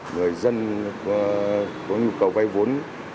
người dân có nhu cầu vay vốn